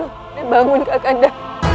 kakanda bangun kakanda